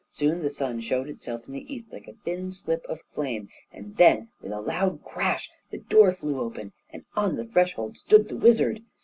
Soon the sun showed itself in the east like a thin slip of flame and then with a loud crash the door flew open, and on the threshold stood the wizard.